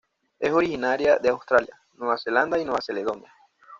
Es originaria de Australia, Nueva Zelanda y Nueva Caledonia.